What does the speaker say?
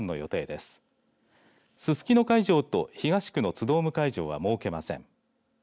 すすきの会場と東区のつどーむ会場は設けません。